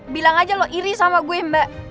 bilang aja lo iri sama gue mbak